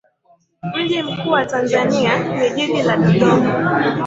Mji mkuu wa Tanzania ni jiji la Dodoma.